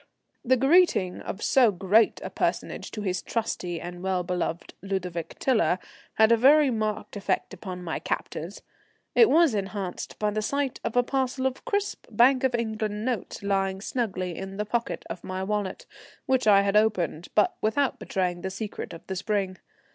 The greeting of so great a personage to his trusty and well beloved Ludovic Tiler had a very marked effect upon my captors. It was enhanced by the sight of a parcel of crisp Bank of England notes lying snugly in the pocket of the wallet, which I had opened, but without betraying the secret of the spring.